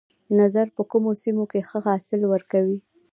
نخود په کومو سیمو کې ښه حاصل ورکوي؟